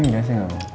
gak sih gak mau